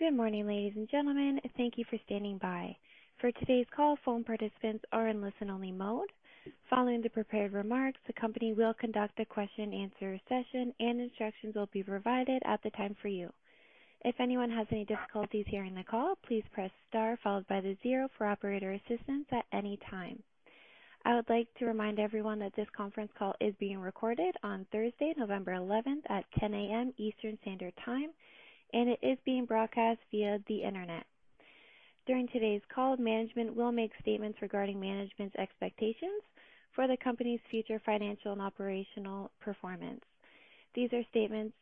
Good morning, ladies and gentlemen. Thank you for standing by. For today's call, phone participants are in listen-only mode. Following the prepared remarks, the company will conduct a question-and-answer session and instructions will be provided at the time for you. If anyone has any difficulties hearing the call, please press star followed by the zero for operator assistance at any time. I would like to remind everyone that this conference call is being recorded on Thursday, November 11th, at 10:00 A.M. Eastern Standard Time, and it is being broadcast via the Internet. During today's call, management will make statements regarding management's expectations for the company's future financial and operational performance. These statements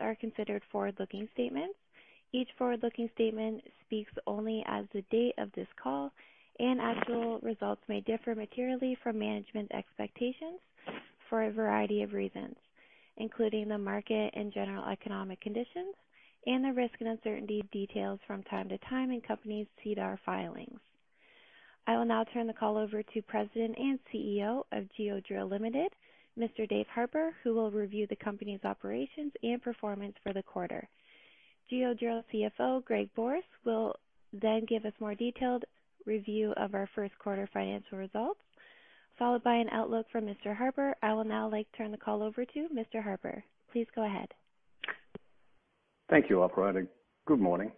are considered forward-looking statements. Each forward-looking statement speaks only as of the date of this call and actual results may differ materially from management's expectations for a variety of reasons, including the market and general economic conditions and the risks and uncertainties detailed from time to time in company's SEDAR filings. I will now turn the call over to President and CEO of Geodrill Limited, Mr. Dave Harper, who will review the company's operations and performance for the quarter. Geodrill CFO, Greg Borsk, will then give us more detailed review of our first quarter financial results, followed by an outlook from Mr. Harper. I would now like to turn the call over to Mr. Harper. Please go ahead. Thank you, operator. Good morning.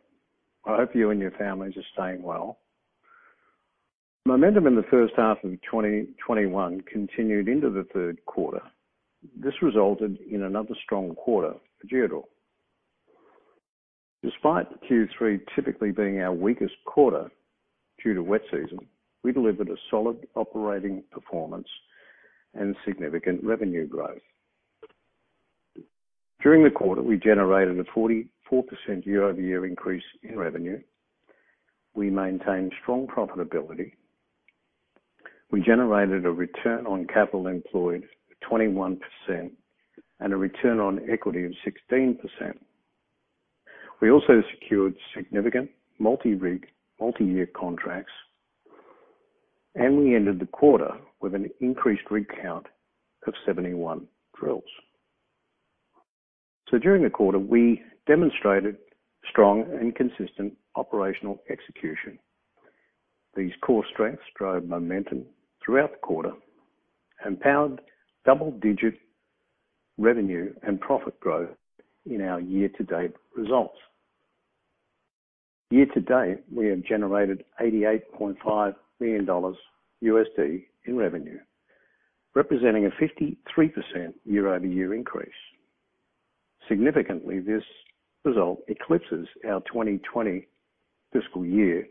I hope you and your families are staying well. Momentum in the first half of 2021 continued into the third quarter. This resulted in another strong quarter for Geodrill. Despite Q3 typically being our weakest quarter due to wet season, we delivered a solid operating performance and significant revenue growth. During the quarter, we generated a 44% year-over-year increase in revenue. We maintained strong profitability. We generated a return on capital employed of 21% and a return on equity of 16%. We also secured significant multi-rig, multi-year contracts, and we ended the quarter with an increased rig count of 71 drills. During the quarter, we demonstrated strong and consistent operational execution. These core strengths drove momentum throughout the quarter and powered double-digit revenue and profit growth in our year-to-date results. Year-to-date, we have generated $88.5 million in revenue, representing a 53% year-over-year increase. Significantly, this result eclipses our 2020 fiscal year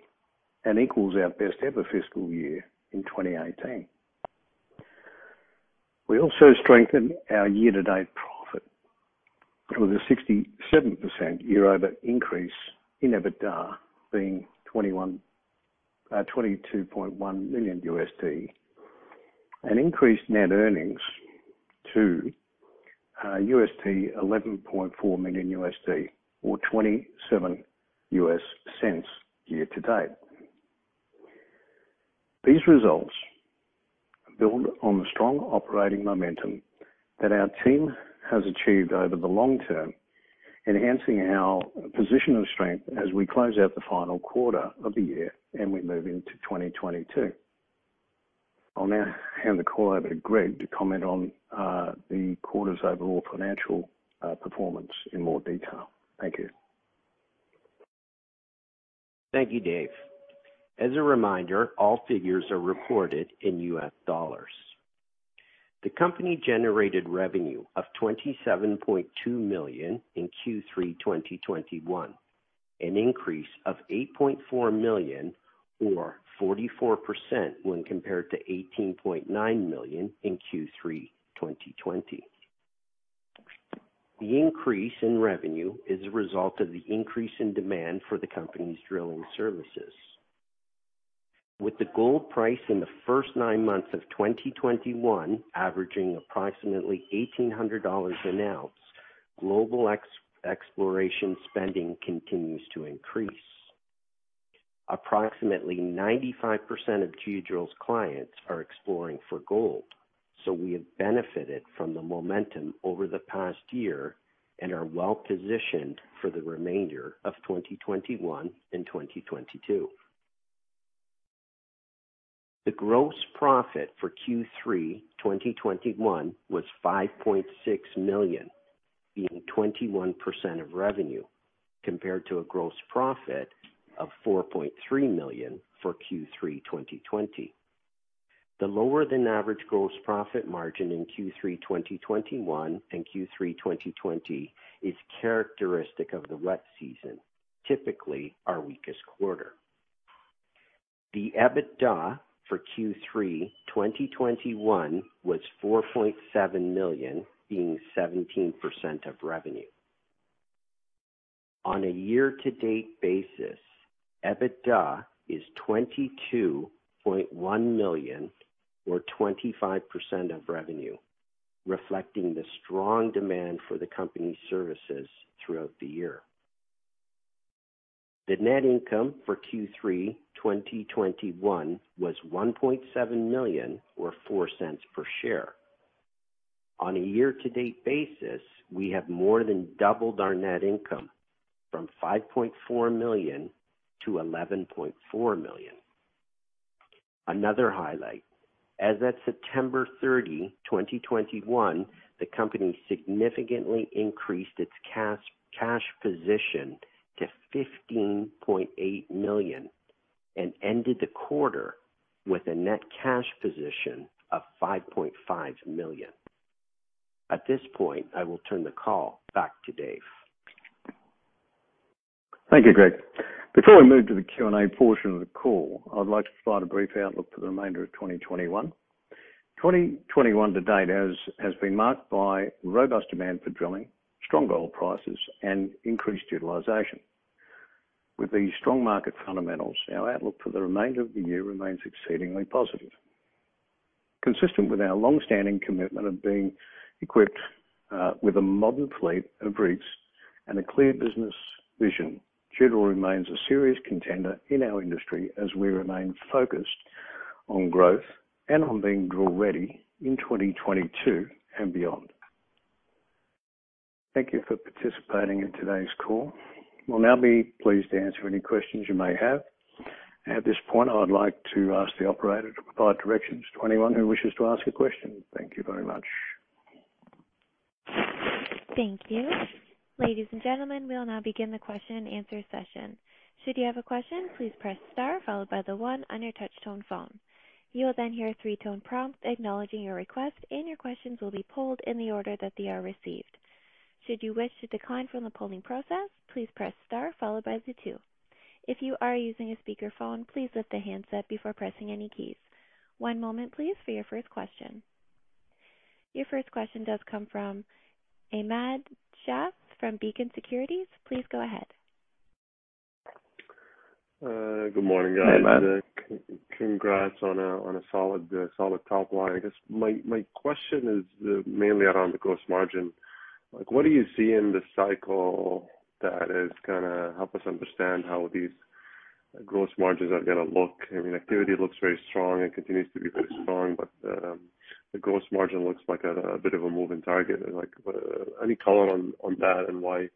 and equals our best ever fiscal year in 2018. We also strengthened our year-to-date profit with a 67% year-over-year increase in EBITDA, being $22.1 million, and increased net earnings to $11.4 million or $0.27 year-to-date. These results build on the strong operating momentum that our team has achieved over the long term, enhancing our position of strength as we close out the final quarter of the year and we move into 2022. I'll now hand the call over to Greg to comment on the quarter's overall financial performance in more detail. Thank you. Thank you, Dave. As a reminder, all figures are reported in US dollars. The company generated revenue of $27.2 million in Q3 2021, an increase of $8.4 million or 44% when compared to $18.9 million in Q3 2020. The increase in revenue is a result of the increase in demand for the company's drilling services. With the gold price in the first nine months of 2021 averaging approximately $1,800 an ounce, global exploration spending continues to increase. Approximately 95% of Geodrill's clients are exploring for gold, so we have benefited from the momentum over the past year and are well positioned for the remainder of 2021 and 2022. The gross profit for Q3 2021 was $5.6 million, being 21% of revenue, compared to a gross profit of $4.3 million for Q3 2020. The lower than average gross profit margin in Q3 2021 and Q3 2020 is characteristic of the wet season, typically our weakest quarter. The EBITDA for Q3 2021 was $4.7 million, being 17% of revenue. On a year-to-date basis, EBITDA is $22.1 million or 25% of revenue, reflecting the strong demand for the company's services throughout the year. The net income for Q3 2021 was $1.7 million or $0.04 per share. On a year-to-date basis, we have more than doubled our net income from $5.4 million to $11.4 million. Another highlight, as at September 30, 2021, the company significantly increased its cash position to $15.8 million and ended the quarter with a net cash position of $5.5 million. At this point, I will turn the call back to Dave. Thank you, Greg. Before we move to the Q&A portion of the call, I would like to provide a brief outlook for the remainder of 2021. 2021 to date has been marked by robust demand for drilling, strong gold prices, and increased utilization. With these strong market fundamentals, our outlook for the remainder of the year remains exceedingly positive. Consistent with our long-standing commitment of being equipped with a modern fleet of rigs and a clear business vision, Geodrill remains a serious contender in our industry as we remain focused on growth and on being drill-ready in 2022 and beyond. Thank you for participating in today's call. We'll now be pleased to answer any questions you may have. At this point, I'd like to ask the operator to provide directions to anyone who wishes to ask a question. Thank you very much. Thank you. Ladies and gentlemen, we will now begin the question-and-answer session. Should you have a question, please press star followed by the one on your touch tone phone. You will then hear three-tone prompts acknowledging your request, and your questions will be pulled in the order that they are received. Should you wish to decline from the polling process, please press star followed by the two. If you are using a speaker phone, please lift the handset before pressing any keys. One moment, please, for your first question. Your first question does come from Ahmad Shah from Beacon Securities. Please go ahead. Good morning, guys. Hey, Ahmad. Congrats on a solid top line. I guess my question is mainly around the gross margin. Like, what do you see in the cycle that is gonna help us understand how these gross margins are gonna look? I mean, activity looks very strong and continues to be very strong, but the gross margin looks like a bit of a moving target. Like, any color on that and why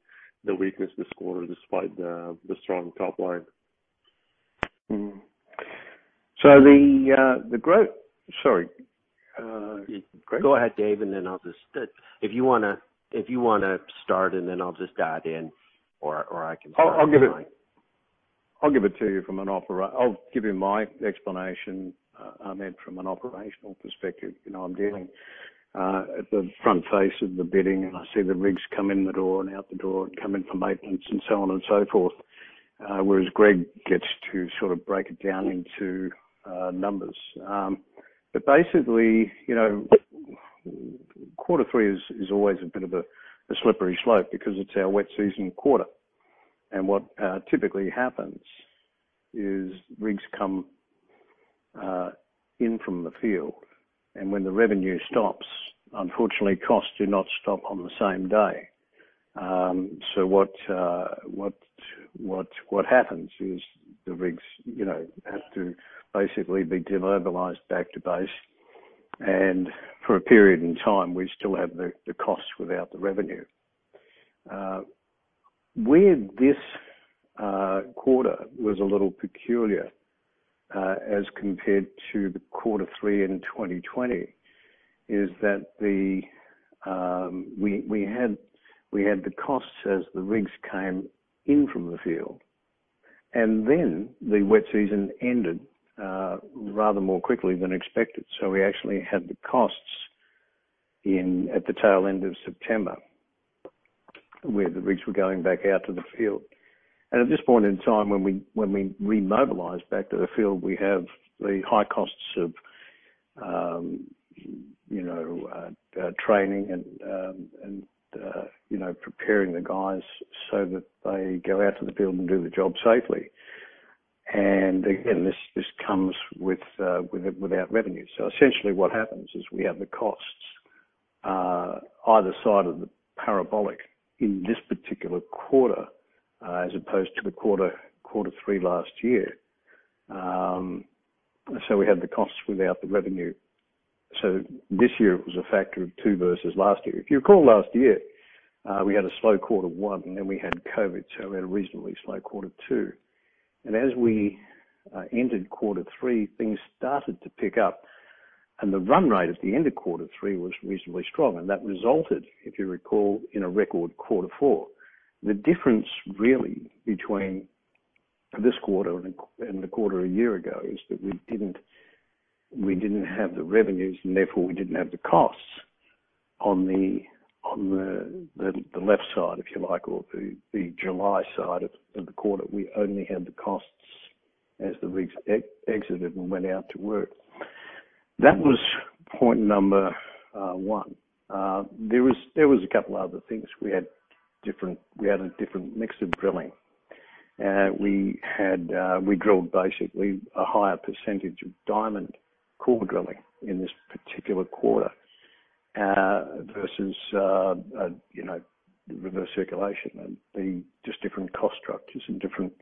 the weakness this quarter despite the strong top line? Greg. Go ahead, Dave, and then I'll just. If you wanna start, and then I'll just dive in, or I can start. I'll give you my explanation, Ahmad, from an operational perspective. You know, I'm dealing at the front face of the business, and I see the rigs come in the door and out the door and come in for maintenance and so on and so forth. Whereas Greg gets to sort of break it down into numbers. Basically, you know, quarter three is always a bit of a slippery slope because it's our wet season quarter. What typically happens is rigs come in from the field, and when the revenue stops, unfortunately, costs do not stop on the same day. What happens is the rigs, you know, have to basically be demobilized back to base. For a period in time, we still have the costs without the revenue. Where this quarter was a little peculiar, as compared to quarter three in 2020, is that we had the costs as the rigs came in from the field. The wet season ended rather more quickly than expected. We actually had the costs in at the tail end of September, where the rigs were going back out to the field. At this point in time, when we remobilize back to the field, we have the high costs of you know, training and you know, preparing the guys so that they go out to the field and do the job safely. Again, this comes with without revenue. Essentially what happens is we have the costs, either side of the parabolic in this particular quarter, as opposed to quarter three last year. We had the costs without the revenue. This year it was a factor of two versus last year. If you recall last year, we had a slow quarter one, and then we had COVID, so we had a reasonably slow quarter two. As we ended quarter three, things started to pick up and the run rate at the end of quarter three was reasonably strong. That resulted, if you recall, in a record quarter four. The difference really between this quarter and the quarter a year ago is that we didn't have the revenues and therefore we didn't have the costs on the left side, if you like, or the July side of the quarter. We only had the costs as the rigs exited and went out to work. That was point number one. There was a couple other things. We had a different mix of drilling. We drilled basically a higher percentage of diamond core drilling in this particular quarter, versus, you know, reverse circulation and just different cost structures and different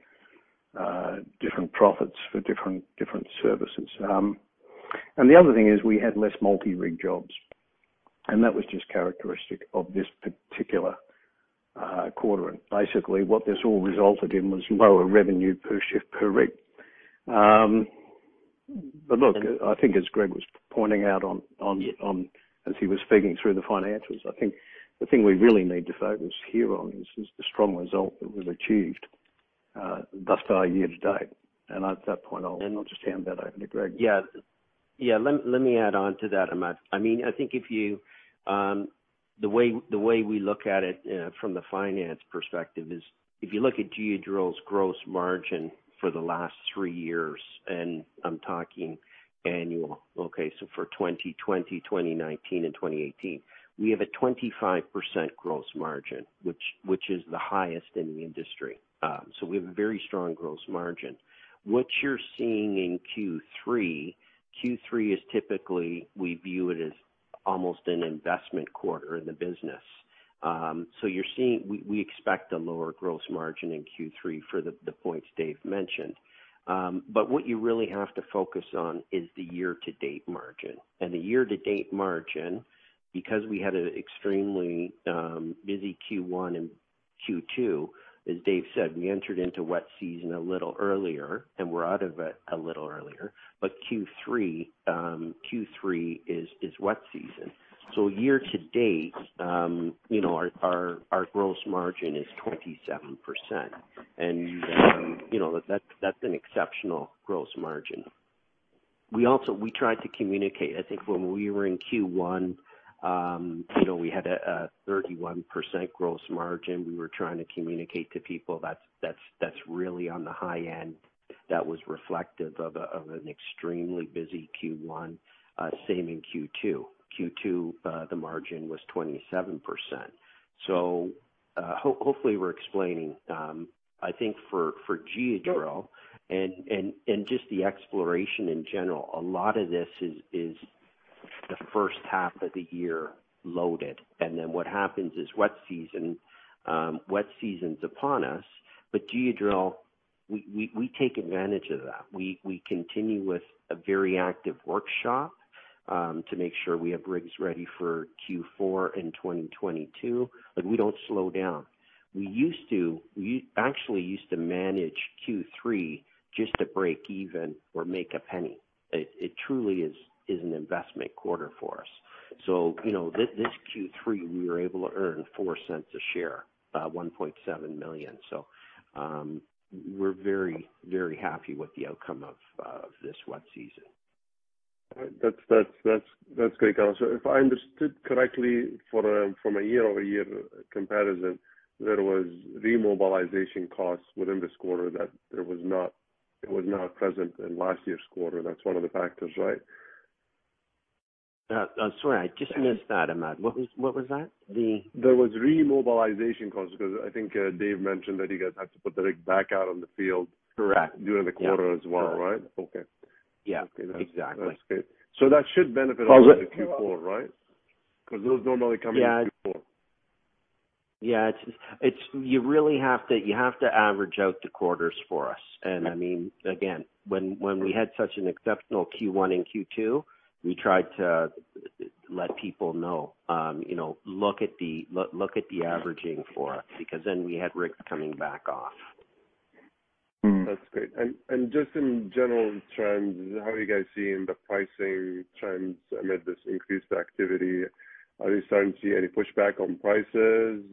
profits for different services. The other thing is we had less multi-rig jobs, and that was just characteristic of this particular quarter. Basically, what this all resulted in was lower revenue per shift per rig. Look, I think as Greg was pointing out as he was speaking through the financials, I think the thing we really need to focus here on is the strong result that was achieved thus far year-to-date. At that point on, and I'll just hand that over to Greg. Let me add on to that, Ahmad. I mean, I think the way we look at it from the finance perspective is if you look at Geodrill's gross margin for the last three years, and I'm talking annual, for 2020, 2019 and 2018, we have a 25% gross margin, which is the highest in the industry. We have a very strong gross margin. What you're seeing in Q3 is typically we view it as almost an investment quarter in the business. We expect a lower gross margin in Q3 for the points Dave mentioned. What you really have to focus on is the year-to-date margin. The year-to-date margin, because we had an extremely busy Q1 and Q2, as Dave said, we entered into wet season a little earlier, and we're out of it a little earlier. Q3 is wet season. Year-to-date, you know, our gross margin is 27%. You know, that's an exceptional gross margin. We tried to communicate. I think when we were in Q1, you know, we had a 31% gross margin. We were trying to communicate to people that's really on the high end. That was reflective of an extremely busy Q1. Same in Q2. Q2, the margin was 27%. Hopefully we're explaining, I think for Geodrill and just the exploration in general, a lot of this is the first half of the year loaded. Then what happens is wet season, wet season's upon us. Geodrill, we take advantage of that. We continue with a very active workshop to make sure we have rigs ready for Q4 in 2022, but we don't slow down. We used to. We actually used to manage Q3 just to break even or make a penny. It truly is an investment quarter for us. You know, this Q3, we were able to earn $0.04 a share, $1.7 million. We're very, very happy with the outcome of this wet season. That's great. If I understood correctly from a year-over-year comparison, there was remobilization costs within this quarter that it was not present in last year's quarter. That's one of the factors, right? I'm sorry. I just missed that, Ahmad. What was that? There was remobilization costs because I think, Dave mentioned that you guys had to put the rig back out on the field. Correct. During the quarter as well, right? Okay. Yeah, exactly. That's great. That should benefit also the Q4, right? 'Cause those normally come in Q4. Yeah. You really have to average out the quarters for us. I mean, again, when we had such an exceptional Q1 and Q2, we tried to let people know, you know, look at the averaging for us because then we had rigs coming back off. That's great. Just in general trends, how are you guys seeing the pricing trends amid this increased activity? Are you starting to see any pushback on prices?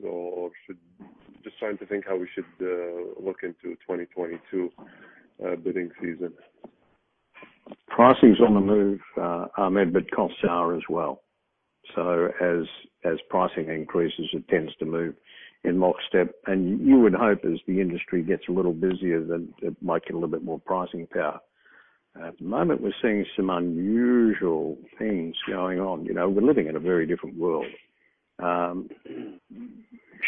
Just trying to think how we should look into 2022 bidding season. Pricing's on the move, Ahmad, but costs are as well. As pricing increases, it tends to move in lockstep. You would hope as the industry gets a little busier, then it might get a little bit more pricing power. At the moment, we're seeing some unusual things going on. You know, we're living in a very different world.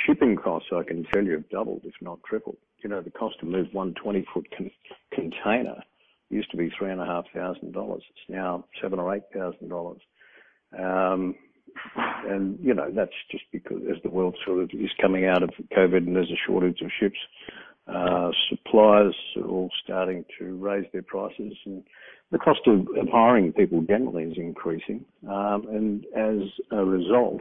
Shipping costs, I can tell you, have doubled, if not tripled. You know, the cost to move one 20-foot container used to be $3,500. It's now $7,000 or $8,000. You know, that's just because as the world sort of is coming out of COVID and there's a shortage of ships, suppliers are all starting to raise their prices. The cost of hiring people generally is increasing. As a result,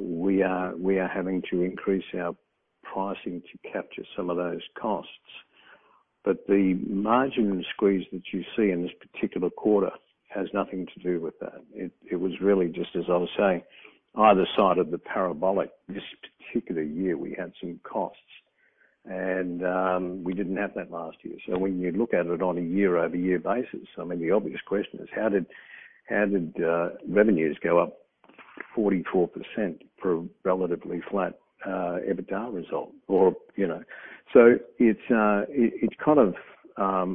we are having to increase our pricing to capture some of those costs. The margin squeeze that you see in this particular quarter has nothing to do with that. It was really just as I was saying, either side of the parabolic, this particular year, we had some costs and we didn't have that last year. When you look at it on a year-over-year basis, I mean, the obvious question is how did revenues go up 44% for a relatively flat EBITDA result or, you know. It's kind of a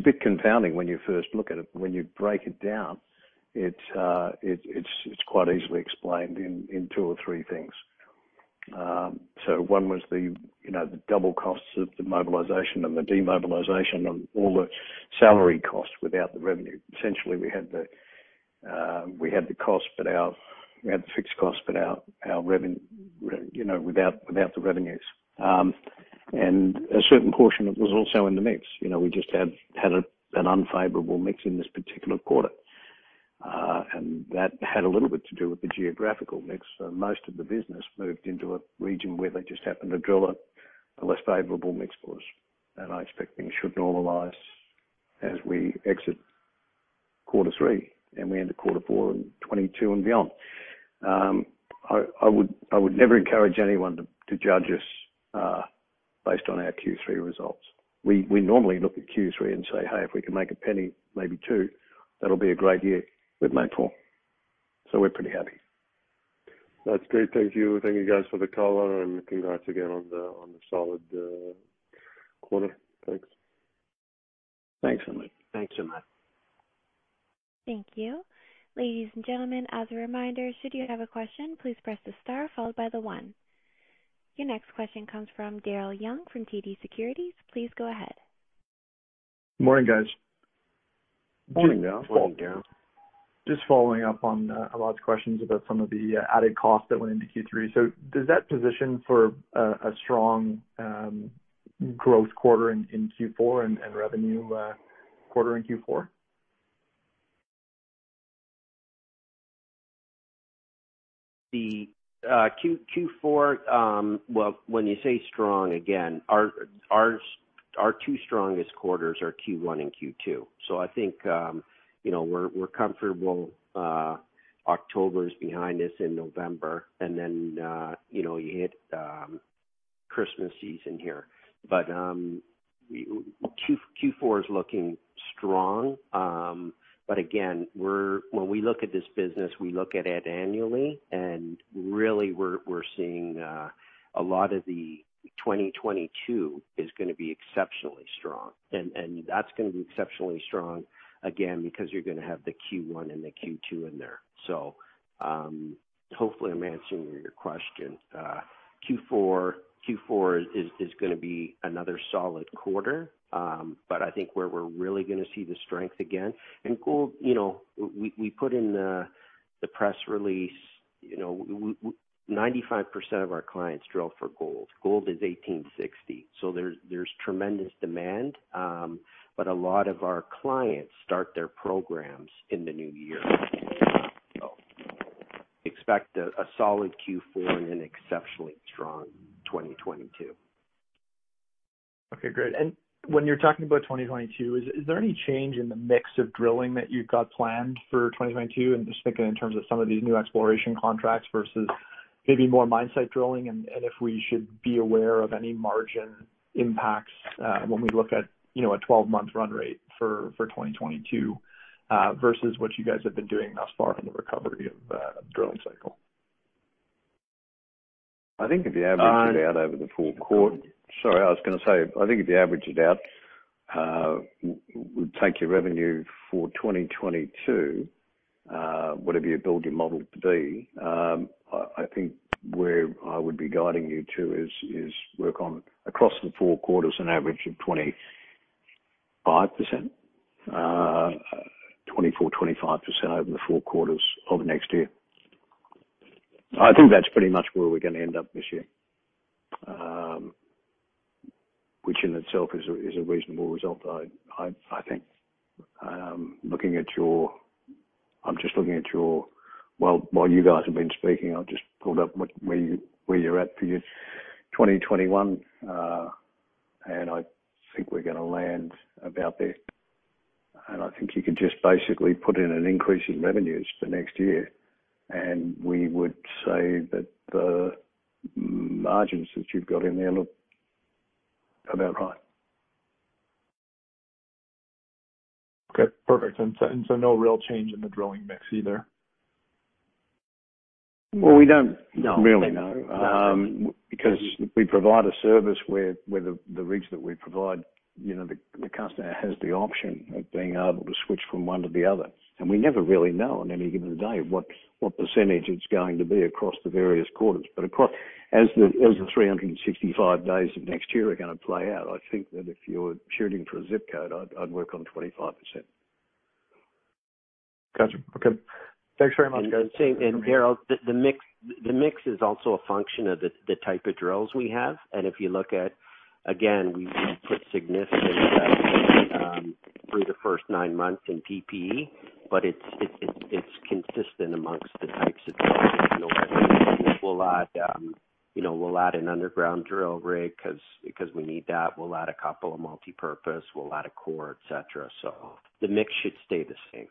bit confounding when you first look at it. When you break it down, it's quite easily explained in two or three things. One was the, you know, the double costs of the mobilization and the demobilization and all the salary costs without the revenue. Essentially, we had the fixed cost, but our revenue, you know, without the revenues. A certain portion of it was also in the mix. You know, we just had an unfavorable mix in this particular quarter. That had a little bit to do with the geographical mix. Most of the business moved into a region where they just happened to drill a less favorable mix for us. I expect things should normalize as we exit quarter three and we enter quarter four in 2022 and beyond. I would never encourage anyone to judge us based on our Q3 results. We normally look at Q3 and say, "Hey, if we can make $0.01, maybe $0.02, that'll be a great year." We've made $0.04, so we're pretty happy. That's great. Thank you. Thank you guys for the call and congrats again on the solid quarter. Thanks. Thanks, Ahmad. Thanks, Ahmad. Thank you. Ladies and gentlemen, as a reminder, should you have a question, please press the star followed by the one. Your next question comes from Daryl Young from TD Securities. Please go ahead. Morning, guys. Morning, Daryl. Morning, Daryl. Just following up on a lot of questions about some of the added costs that went into Q3. Does that position for a strong growth quarter in Q4 and revenue quarter in Q4? The Q4, well, when you say strong again, our two strongest quarters are Q1 and Q2. I think, you know, we're comfortable. October is behind us and November. Then, you know, you hit Christmas season here. Q4 is looking strong. Again, when we look at this business, we look at it annually. Really we're seeing a lot of the 2022 is gonna be exceptionally strong. That's gonna be exceptionally strong, again, because you're gonna have the Q1 and the Q2 in there. Hopefully I'm answering your question. Q4 is gonna be another solid quarter. I think where we're really gonna see the strength again. In gold, you know, we put in the press release, you know, 95% of our clients drill for gold. Gold is $1,860, so there's tremendous demand. A lot of our clients start their programs in the new year. Expect a solid Q4 and an exceptionally strong 2022. Okay, great. When you're talking about 2022, is there any change in the mix of drilling that you've got planned for 2022? Just thinking in terms of some of these new exploration contracts versus maybe more mine site drilling and if we should be aware of any margin impacts, you know, a 12-month run rate for 2022 versus what you guys have been doing thus far from the recovery of drilling cycle. I think if you average it out, we take your revenue for 2022, whatever you build your model to be, I think where I would be guiding you to is work on across the four quarters an average of 25%. 24%, 25% over the four quarters of next year. I think that's pretty much where we're gonna end up this year. Which in itself is a reasonable result. I think, looking at your, while you guys have been speaking, I've just pulled up where you're at for your 2021. I think we're gonna land about there. I think you can just basically put in an increase in revenues for next year. We would say that the margins that you've got in there look about right. Okay, perfect. No real change in the drilling mix either? Well, we don't really know because we provide a service where the rigs that we provide, you know, the customer has the option of being able to switch from one to the other. We never really know on any given day what percentage it's going to be across the various quarters. As the 365 days of next year are gonna play out, I think that if you're shooting for a zip code, I'd work on 25%. Got you. Okay. Thanks very much, guys. Same. Daryl, the mix is also a function of the type of drills we have. If you look at, again, we put significant through the first nine months in PPE, but it's consistent among the types of drills. We'll add, you know, we'll add an underground drill rig because we need that. We'll add a couple of multipurpose. We'll add a core, et cetera. The mix should stay the same.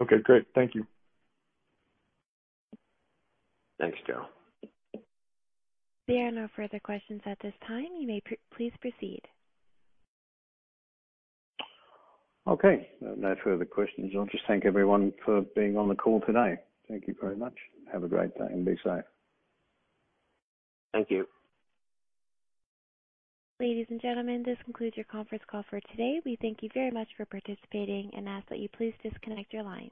Okay, great. Thank you. Thanks, Daryl. There are no further questions at this time. You may please proceed. Okay. No further questions. I'll just thank everyone for being on the call today. Thank you very much. Have a great day and be safe. Thank you. Ladies and gentlemen, this concludes your conference call for today. We thank you very much for participating and ask that you please disconnect your lines.